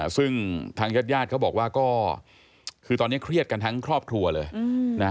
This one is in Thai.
ซึ่งทางญาติญาติเขาบอกว่าก็คือตอนนี้เครียดกันทั้งครอบครัวเลยนะ